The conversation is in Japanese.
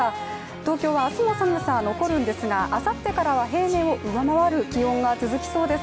東京は明日も寒さ、残るんですがあさってからは平年を上回る気温が続きそうです。